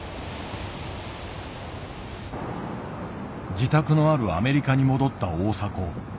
自宅のあるアメリカに戻った大迫。